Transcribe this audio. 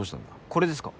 これですか？